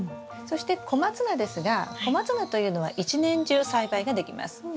そしてコマツナですがコマツナというのは一年中栽培ができます。